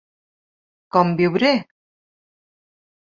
Com viuré?